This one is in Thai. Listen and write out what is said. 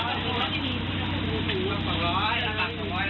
ผม๒๐๐๘สองร้อยอันหน้าที่สองร้อยแล้วสี่หมดแล้วใกล้